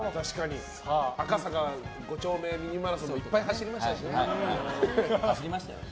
赤坂５丁目ミニマラソンでもいっぱい走りましたしね。